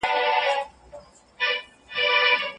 زه هره ورځ په انټرنېټ کې خبرونه ګورم.